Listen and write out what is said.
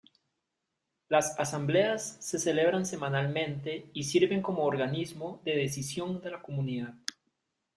Las asambleas se celebran semanalmente y sirven como organismo de decisión de la comunidad.